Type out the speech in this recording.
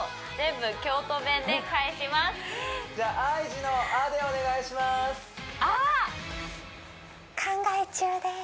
じゃあＩＧの「あ」でお願いします